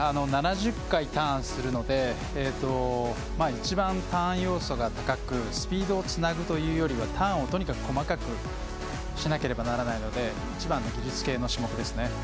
７０回ターンするので一番ターン要素が高くスピードをつなぐというよりはターンをとにかく細かくしなければならないので一番の技術系の種目ですね。